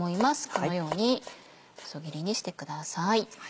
このように細切りにしてください。